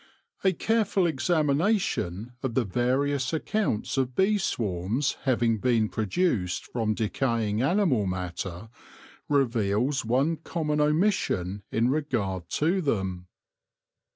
A careful examination of the various accounts of bee swarms having been produced from decaying animal matter reveals one common omission in regard to them.